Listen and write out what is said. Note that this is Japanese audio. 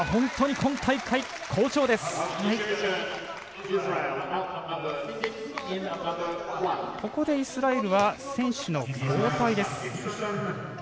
ここでイスラエルは選手の交代。